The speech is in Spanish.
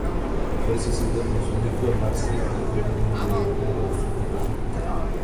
Fue sucedido por su hijo Amar-Sin, quien tuvo un reinado bastante pacífico.